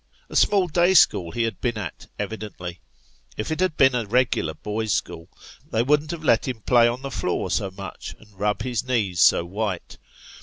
A small day school he had been at, evidently. If it had been a regular boys' school they wouldn't have let him play on the floor so much, and rub his knees so white.